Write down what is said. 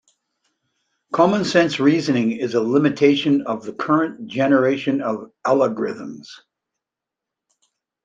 Common sense reasoning is a limitation of the current generation of algorithms.